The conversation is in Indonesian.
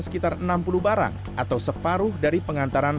sekitar enam puluh barang atau separuh dari pengantaran